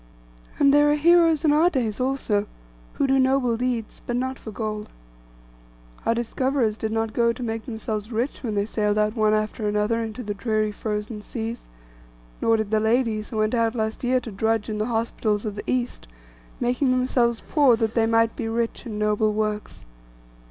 And there are heroes in our days also, who do noble deeds, but not for gold. Our discoverers did not go to make themselves rich when they sailed out one after another into the dreary frozen seas; nor did the ladies who went out last year to drudge in the hospitals of the East, making themselves poor, that they might be rich in noble works.